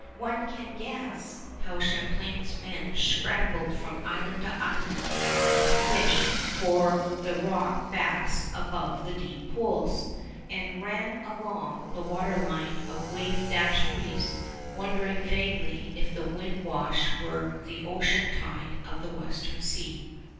One can guess how Champlain's men scrambled from island to island, and fished for the rock bass above the deep pools, and ran along the water line of wave dashed reefs, wondering vaguely if the wind wash were the ocean tide of the Western Sea.